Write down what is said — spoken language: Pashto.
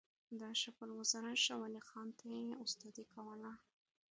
د اشرف الوزرا شاولي خان ته یې استادي کوله.